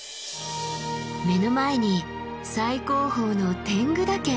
目の前に最高峰の天狗岳。